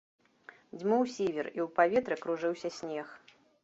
Дзьмуў сівер, і ў паветры кружыўся снег.